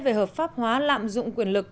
về hợp pháp hóa lạm dụng quyền lực